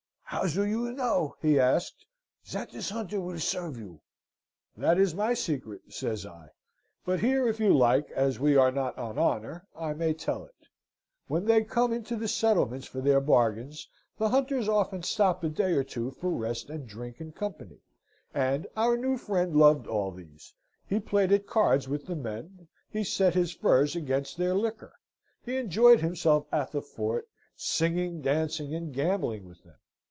"'How do you know,' he asked, 'that this hunter will serve you?' "'That is my secret,' says I. But here, if you like, as we are not on honour, I may tell it. When they come into the settlements for their bargains, the hunters often stop a day or two for rest and drink and company, and our new friend loved all these. He played at cards with the men: he set his furs against their liquor: he enjoyed himself at the fort, singing, dancing, and gambling with them.